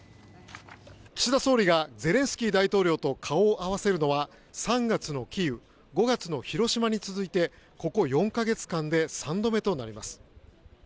岸田総理がゼレンスキー大統領と顔を合わせるのは３月のキーウ５月の広島に続いてここ４か月間で３度目となります。